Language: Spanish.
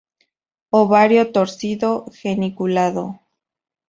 Ovario torcido, geniculado.